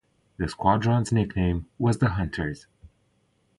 The squadron's nickname was the Hunters.